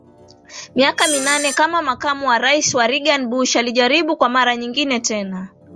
miaka minane kama makamu wa rais wa Reagan Bush alijaribu kwa mara nyingine tena